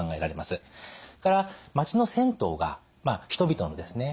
それから街の銭湯が人々のですね